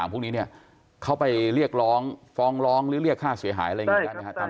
พวกนี้เนี่ยเขาไปเรียกร้องฟ้องร้องหรือเรียกค่าเสียหายอะไรอย่างนี้ได้ไหมครับ